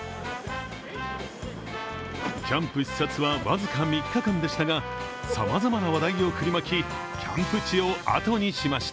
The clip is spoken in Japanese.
キャンプ視察は僅か３日間でしたがさまざまな話題を振りまき、キャンプ地をあとにしました。